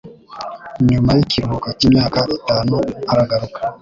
nyuma yikiruhuko cyimyaka itanu aragaruka